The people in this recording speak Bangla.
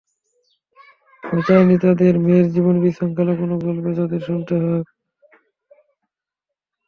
আমি চাইনি, তাঁদের মেয়ের জীবনের বিশৃঙ্খল কোনো গল্প তাঁদের শুনতে হোক।